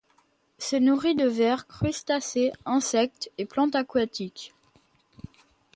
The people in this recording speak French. Se nourrit de vers, crustacés insectes et plantes aquatiques.